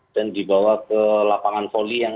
dan dibawa ke lapangan sekolah